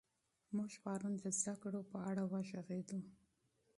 موږ پرون د علم په اړه بحث وکړ.